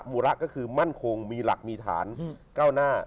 ูระก็คือมั่นคงมีหลักมีฐานก้าวหน้า